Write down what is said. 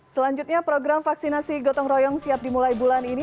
selanjutnya program vaksinasi gotong royong siap dimulai bulan ini